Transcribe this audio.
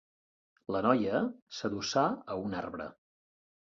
La noia s'adossà a un arbre.